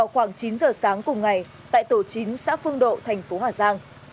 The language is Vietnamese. khoảng chín giờ sáng cùng ngày tại tổ chính xã phương độ thành phố hòa giang